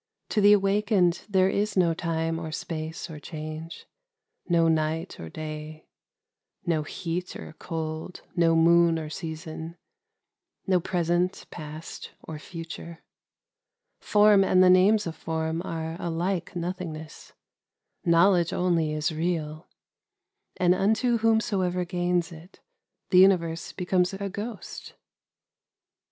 To the Awakened there is no Time or Space or Change, — no night or day, — no heat or cold, — no moon or season, — no present, past, or future. Form and the names of form are alike nothingness :— Knowledge only is real ; and unto whomsoever gains it, the universe becomes a ghost.